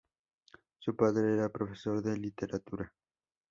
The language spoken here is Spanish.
Su padre era profesor de literatura.